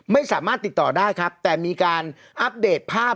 ไม่สามารถติดต่อได้ครับแต่มีการอัปเดตภาพ